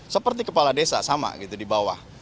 seperti kepala desa sama gitu di bawah